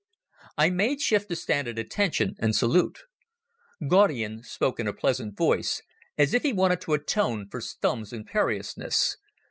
I made shift to stand at attention and salute. Gaudian spoke in a pleasant voice, as if he wanted to atone for Stumm's imperiousness.